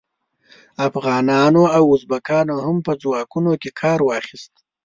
افغانانو او ازبکانو هم په ځواکونو کې کار واخیست.